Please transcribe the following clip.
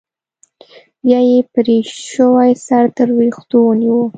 بيا يې پرې شوى سر تر ويښتو ونيو.